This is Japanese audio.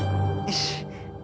よし。